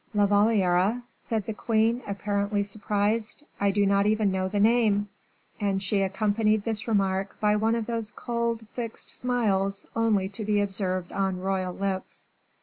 "La Valliere?" said the queen, apparently surprised, "I do not even know the name;" and she accompanied this remark by one of those cold, fixed smiles only to be observed on royal lips.